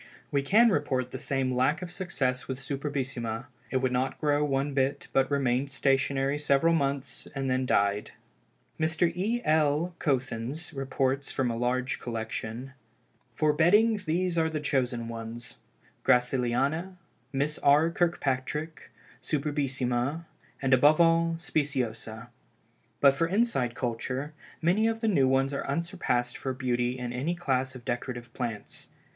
We can report the same lack of success with Superbissima. It would not grow one bit, but remained stationary several months, and then died. Mr. E. L. Koethens reports from a large collection: "For bedding these are the chosen ones, Gracilliana, Miss R. Kirkpatrick, Superbissima, and above all, Speciosa. But for inside culture, many of the new ones are unsurpassed for beauty in any class of decorative plants.